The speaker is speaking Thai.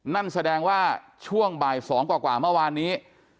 นั่นแสดงว่าช่วงบ่าย๒กว่าเมื่อวานนี้